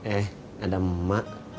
eh ada emak